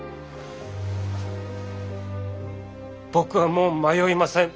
僕はもう迷いません。